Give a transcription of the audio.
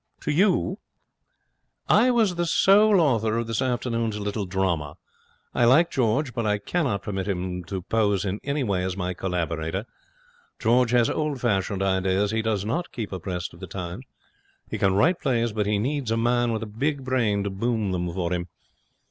'To you?' 'I was the sole author of this afternoon's little drama. I like George, but I cannot permit him to pose in any way as my collaborator. George has old fashioned ideas. He does not keep abreast of the times. He can write plays, but he needs a man with a big brain to boom them for him.